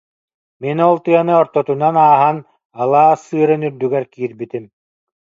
Мин ол тыаны ортотунан ааһан, алаас сыырын үрдүгэр киирбитим